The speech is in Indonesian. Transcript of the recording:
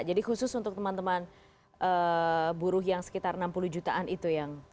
jadi khusus untuk teman teman buruh yang sekitar enam puluh jutaan itu yang